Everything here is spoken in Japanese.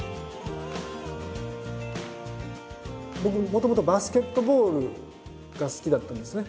僕もともとバスケットボールが好きだったんですね。